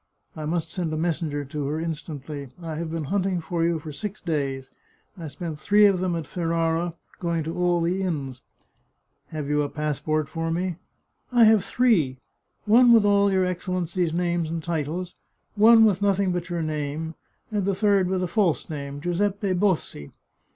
I must send a messenger to her instantly. I have been hunt ing for you for six days ; I spent three of them at Ferrara, going to all the inns." " Have you a passport for me ?"" I have three. One with all your Excellency's names and titles, one with nothing but your name, and the third with a false name, Giuseppe Bossi.